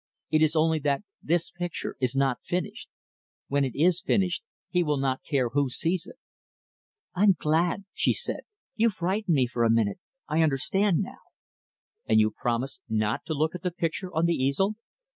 It is only that this picture is not finished. When it is finished, he will not care who sees it." "I'm glad," she said. "You frightened me, for a minute I understand, now." "And you promise not to look at the picture on the easel?"